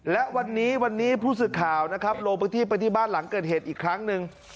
และวันนี้พูดสึกข่าวนะครับโลกประกอบที่บ้านหลังเกิดเหตุอีกครั้งหนึ่ง